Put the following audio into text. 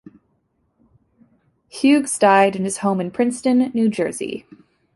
Hughes died in his home in Princeton, New Jersey.